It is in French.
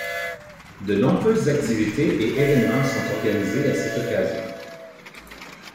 De nombreuses activités et événements sont organisés à cette occasion.